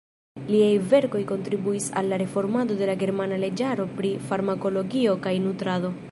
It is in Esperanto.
Liaj verkoj kontribuis al la reformado de la germana leĝaro pri farmakologio kaj nutrado.